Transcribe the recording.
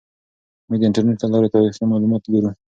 موږ د انټرنیټ له لارې تاریخي معلومات ګورو.